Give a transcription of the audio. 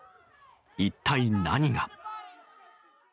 一体何が？